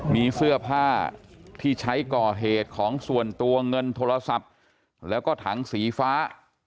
มีเสื้อผ้าที่ใช้ก่อเหตุของส่วนตัวเงินโทรศัพท์แล้วก็ถังสีฟ้า